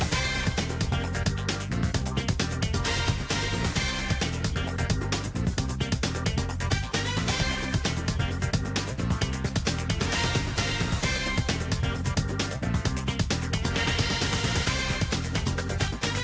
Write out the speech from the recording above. สวัสดีค่ะ